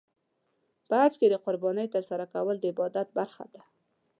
په حج کې د قربانۍ ترسره کول د عبادت برخه ده.